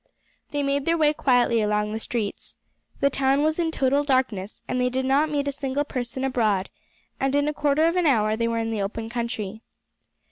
They made their way quietly along the streets. The town was in total darkness, and they did not meet a single person abroad, and in a quarter of an hour they were in the open country.